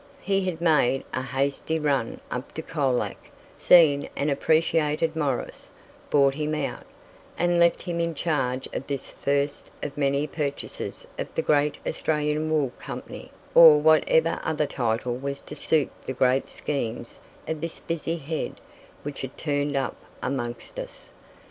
He had made a hasty run up to Colac, seen and appreciated Morris, bought him out, and left him in charge of this first of many purchases of the great "Australian Wool Company," or whatever other title was to suit the great schemes of this busy head which had turned up amongst us.